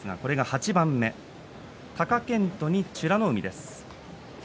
８番目の対戦は貴健斗に美ノ海です。